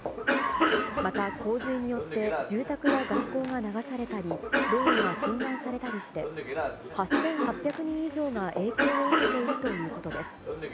また、洪水によって住宅や学校が流されたり、道路が寸断されたりして、８８００人以上が影響を受けているということです。